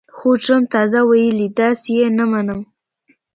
خو ټرمپ تازه ویلي، داسې یې نه منم